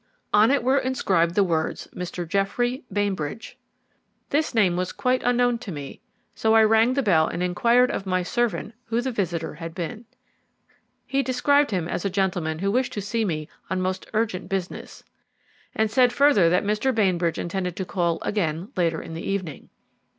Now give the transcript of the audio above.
On it were inscribed the words, "Mr. Geoffrey Bainbridge." This name was quite unknown to me, so I rang the bell and inquired of my servant who the visitor had been. He described him as a gentleman who wished to see me on most urgent business, and said further that Mr. Bainbridge intended to call again later in the evening.